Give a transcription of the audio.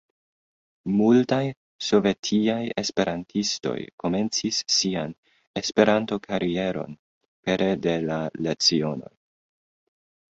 Multaj sovetiaj esperantistoj komencis sian Esperanto-karieron pere de la lecionoj.